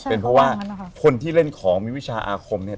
เป็นเพราะว่าคนที่เล่นของมีวิชาอาคมเนี่ย